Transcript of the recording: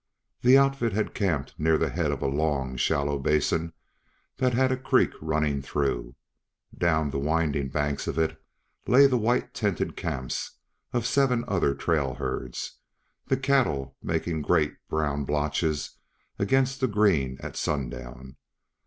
The outfit had camped near the head of a long, shallow basin that had a creek running through; down the winding banks of it lay the white tented camps of seven other trail herds, the cattle making great brown blotches against the green at sundown.